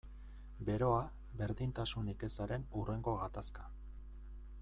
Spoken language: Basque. Beroa, berdintasunik ezaren hurrengo gatazka.